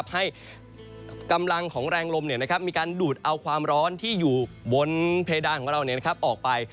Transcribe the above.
ให้กำลังของแรงลมมีการดูดเอาความร้อนที่อยู่บนเพดานของเราออกไป